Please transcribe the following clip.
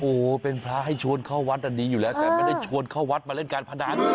โอ้โหเป็นพระให้ชวนเข้าวัดอันนี้อยู่แล้วแต่ไม่ได้ชวนเข้าวัดมาเล่นการพนัน